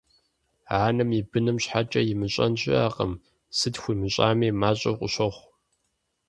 Анэм и быным щхьэкӀэ имыщӀэн щыӀэкъым, сыт хуимыщӀами, мащӀэу къыщохъу.